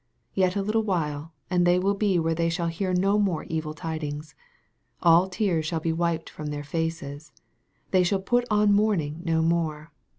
Yet a little while, and they will be where they shall hear no more evil tidings. All tears shall be wiped from their faces. They shall put on mourning no more.